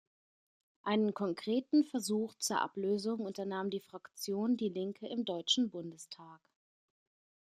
Einen konkreten Versuch zur Ablösung unternahm die Fraktion Die Linke im Deutschen Bundestag.